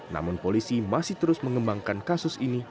namun polisi masih terus mengembangkan kasus ini